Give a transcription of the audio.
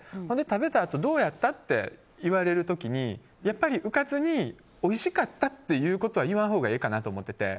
食べたあとどうやった？って言われる時うかつにおいしかったっていうことは言わんほうがええかなと思ってて。